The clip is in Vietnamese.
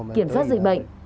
kiểm soát dịch bệnh